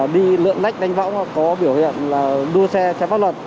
đi lượn lách đánh võng có biểu hiện là đua xe chấp pháp luật